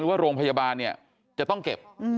ว่าโรงพยาบาลเนี่ยจะต้องเก็บ